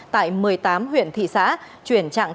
tại một mươi tám huyện thị xã chuyển từ lớp một đến lớp sáu